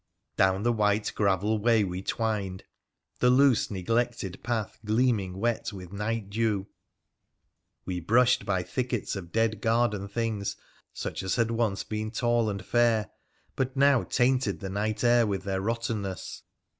Down the white gravel way we twined, the loose, neglected path gleaming wet with night dew ; we brushed by thickets of dead garden things, such as had once been tall and fair, but now tainted the night air with their rottenness.